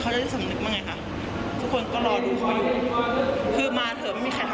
เขาจะสำนึกว่าไงค่ะทุกคนก็รอดูเขาอยู่คือมาเถอะไม่มีใครทำไหนค่ะ